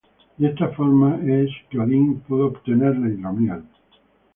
De esta forma es que Odín pudo obtener la hidromiel.